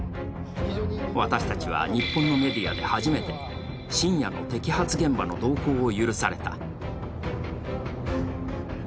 私たちは日本のメディアで初めて深夜の摘発現場の同行を許された。